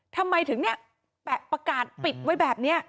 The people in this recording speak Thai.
ทำไมถึงเนี่ยแปะประกาศปิดไว้แบบนี้